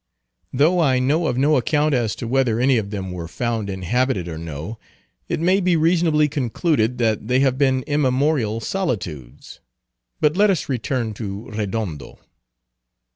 Though I know of no account as to whether any of them were found inhabited or no, it may be reasonably concluded that they have been immemorial solitudes. But let us return to Redondo.